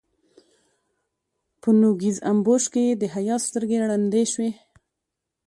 په نوږيز امبوش کې يې د حيا سترګې ړندې شوې.